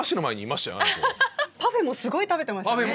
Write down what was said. パフェもすごい食べてましたよね。